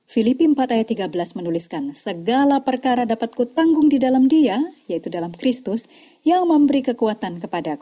filipi empat ayat tiga belas menuliskan